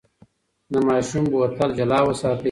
د ماشوم بوتل جلا وساتئ.